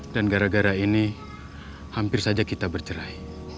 dan gara gara ini hampir saja kita bercerai